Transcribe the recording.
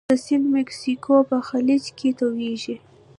دا سیند د مکسیکو په خلیج کې تویږي.